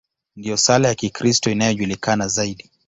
Ndiyo sala ya Kikristo inayojulikana zaidi.